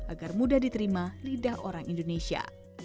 agar mudah diterima lidah orang indonesia